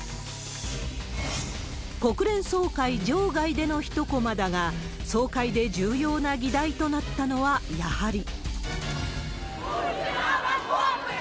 国連総会場外での一こまだが、総会で重要な議題となったのはやはり。